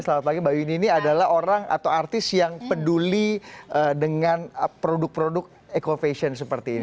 selamat pagi mbak yuni ini adalah orang atau artis yang peduli dengan produk produk eco fashion seperti ini